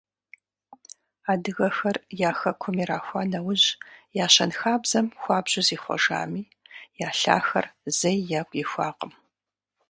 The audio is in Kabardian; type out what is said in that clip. Адыгэхэр я хэкум ирахуа нэужь я щэнхабзэм хуабжьу зихъуэжами, я лъахэр зэи ягу ихуакъым.